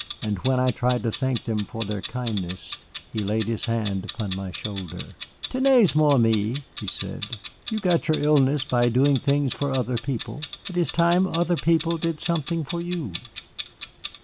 And when I tried to thank them for their kindness he laid his hand upon my shoulder. "Tenez, mon ami," he said, "you got your illness by doing things for other people. It is time other people did something for you."